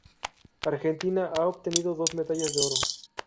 Argentina ha obtenido dos medallas de oro.